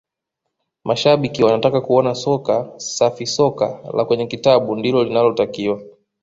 mashabiki wanataka kuona soka safisoka la kwenye kitabu ndilo linalotakiwa